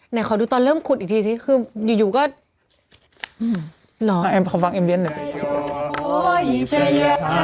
ขอดูตอนเริ่มขุดอีกทีสิคืออยู่ก็ขอฟังเอ็มเรียนหน่อย